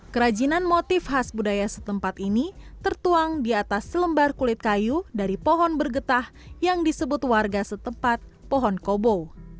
kerajinan motif khas budaya setempat ini tertuang di atas selembar kulit kayu dari pohon bergetah yang disebut warga setempat pohon kobo